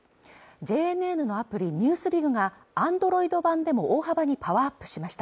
ＪＮＮのアプリ「ＮＥＷＳＤＩＧ」がＡｎｄｒｏｉｄ版でも大幅にパワーアップしました